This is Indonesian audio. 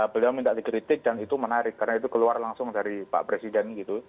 beliau minta dikritik dan itu menarik karena itu keluar langsung dari pak presiden gitu